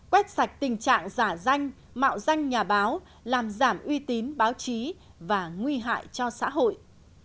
quét sạch tình trạng giả danh mạo danh nhà báo làm giảm uy tín báo chí và nguy hại cho xã hội